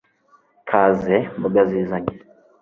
kaze mbogazizanye